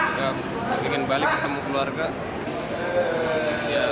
ketika di wb kita ingin balik ketemu keluarga